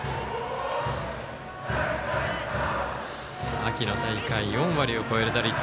秋の大会４割を越える打率。